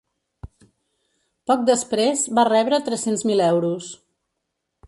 Poc després va rebre tres-cents mil euros.